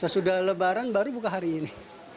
sesudah lebaran baru buka hari ini